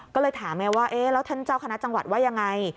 ก็เลยถามไงว่าเอ๊ะแล้วท่านเจ้าคณะจังหวัดว่ายังไง